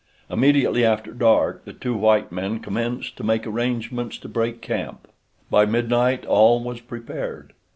Immediately after dark the two white men commenced to make arrangements to break camp. By midnight all was prepared.